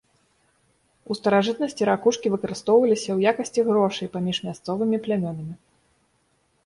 У старажытнасці ракушкі выкарыстоўваліся ў якасці грошай паміж мясцовымі плямёнамі.